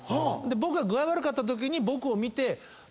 僕が具合悪かったときに僕を見て。